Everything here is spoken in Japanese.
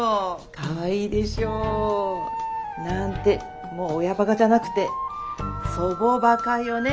かわいいでしょ。なんてもう親バカじゃなくて祖母バカよね。